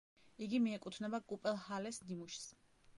იგი მიეკუთვნება კუპელჰალეს ნიმუშს.